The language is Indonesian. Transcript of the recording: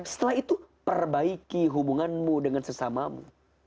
setelah itu perbaiki hubunganmu dengan sesamamu